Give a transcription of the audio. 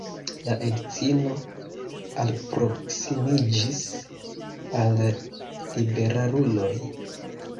La edzino alproksimiĝis al la liberaluloj.